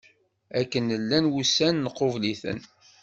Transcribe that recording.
Akken llan wussan nqubel-iten.